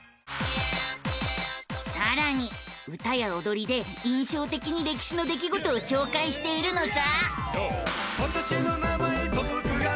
さらに歌やおどりで印象的に歴史の出来事を紹介しているのさ！